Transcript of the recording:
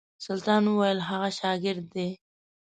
سلطان ویل هغه شاګرد دی.